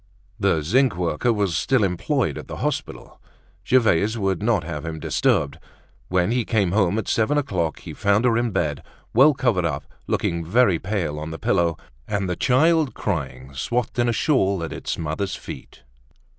The zinc worker was still employed at the hospital. Gervaise would not have him disturbed. When he came home at seven o'clock, he found her in bed, well covered up, looking very pale on the pillow, and the child crying, swathed in a shawl at its mother's feet.